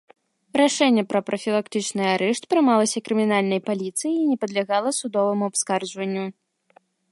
Рашэнне пра прафілактычны арышт прымалася крымінальнай паліцыяй і не падлягала судоваму абскарджанню.